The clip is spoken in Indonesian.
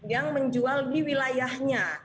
yang menjual di wilayahnya